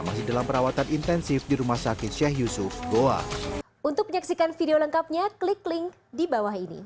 masih dalam perawatan intensif di rumah sakit syekh yusuf goa untuk menyaksikan video lengkapnya